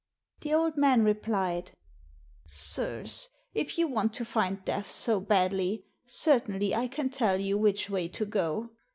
The old man replied, "Sirs, if you want to find Death so badly, certainly I can tell you which way to go.